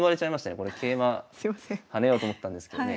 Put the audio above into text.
これ桂馬跳ねようと思ったんですけどね。